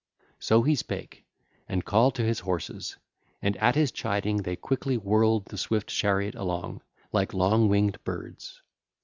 (ll. 88 89) So he spake, and called to his horses: and at his chiding they quickly whirled the swift chariot along, like long winged birds.